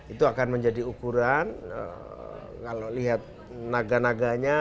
itu akan menjadi ukuran kalau lihat naga naganya